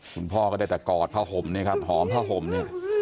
คุณพ่อก็ได้แต่กอดผ้าห่มเนี่ยครับหอมผ้าห่มเนี่ย